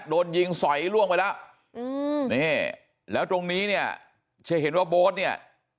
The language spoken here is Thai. โดนยิงสอยล่วงไปแล้วอืมนี่แล้วตรงนี้เนี่ยจะเห็นว่าโบ๊ทเนี่ย